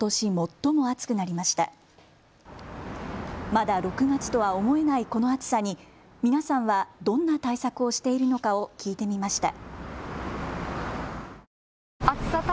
まだ６月とは思えないこの暑さに皆さんはどんな対策をしているのかを聞いてみました。